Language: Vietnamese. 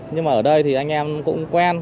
nhưng mà ở đây thì anh em cũng quen